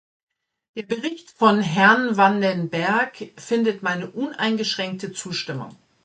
Der Bericht von Herrn van den Berg findet meine uneingeschränkte Zustimmung.